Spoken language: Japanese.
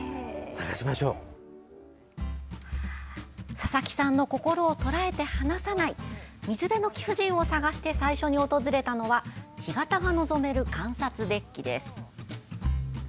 佐々木さんの心をとらえて離さない水辺の貴婦人を探して最初に訪れたのは干潟が臨める観察デッキです。